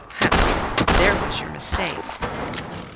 "Hem! There was your mistake."